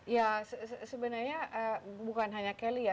ya sebenarnya bukan hanya kelly ya